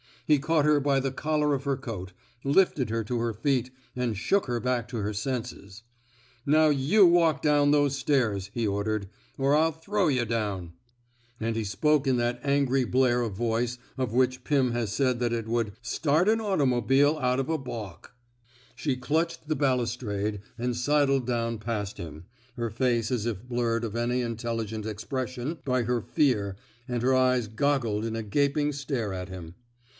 He caught her by the collar of her coat, lifted her to her feet, and shook her back to her senses. Now you walk down those stairs,^' he ordered, or I'll throw yuh down! '' And he spoke in that angry blare of voice of which Pim has 103 THE SMOKE EATEES said that it would ^^ start an automobubble out of a baulk. '^ She clutched the balustrade and sidled down past him, her face as if blurred of any intelligent expression by her fear, and her eyes goggled in a gaping stare at him.